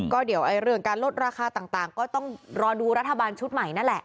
ก็เดี๋ยวเรื่องการลดราคาต่างก็ต้องรอดูรัฐบาลชุดใหม่นั่นแหละ